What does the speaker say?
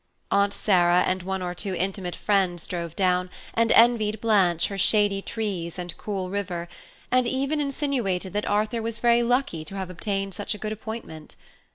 Aunt Sarah and one or two intimate friends drove down, and envied Blanche her shady trees and cool river, and even insinuated that Arthur was very lucky to have obtained such a good appointment.